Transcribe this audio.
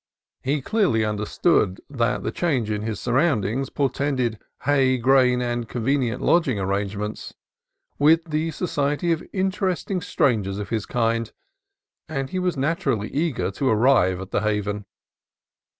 He clearly understood that the change in his sur roundings portended hay, grain, and convenient lodging arrangements, with the society of interesting strangers of his kind, and he was naturally eager to arrive at the haven.